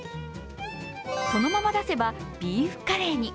そのまま出せばビーフカレーに。